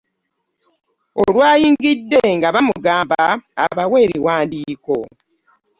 Olwayingidde nga bamugamba abawe ebiwandiiko.